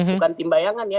bukan tim bayangan ya